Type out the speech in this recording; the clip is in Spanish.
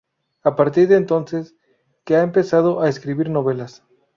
A partir de entonces que ha empezado a escribir novelas.